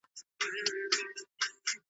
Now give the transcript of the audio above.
هم شیرین، هم وېروونکی، لړزوونکی .